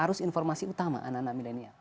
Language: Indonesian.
harus informasi utama anak anak milenial